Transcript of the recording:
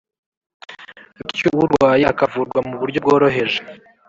bityo urwaye akavurwa mu buryo bworoheje